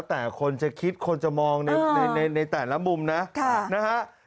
แต่สงสารน้อง